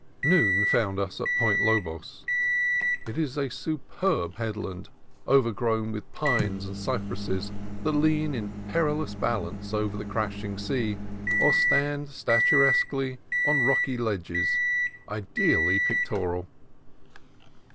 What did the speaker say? Noon found us at Point Lobos. It is a superb headland overgrown with pines and cypresses that lean in perilous balance over the crashing sea, or stand statuesquely on rocky ledges, ideally pictorial.